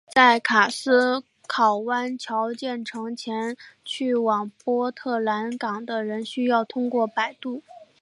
在卡斯考湾桥建成前去往波特兰港的人需要通过摆渡。